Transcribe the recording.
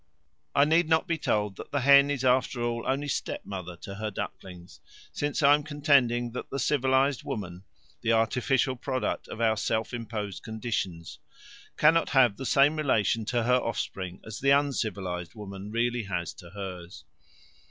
I need not be told that the hen is after all only step mother to her ducklings, since I am contending that the civilized woman the artificial product of our self imposed conditions cannot have the same relation to her offspring as the uncivilized woman really has to hers.